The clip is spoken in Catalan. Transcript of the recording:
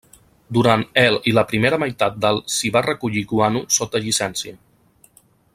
Durant el i la primera meitat del s'hi va recollir guano sota llicència.